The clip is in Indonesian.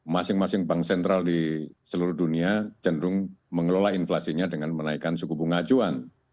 masing masing bank sentral di seluruh dunia cenderung mengelola inflasinya dengan menaikkan suku bunga acuan